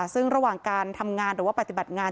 ซึ่งระหว่างการทำงานหรือว่าปฏิบัติงาน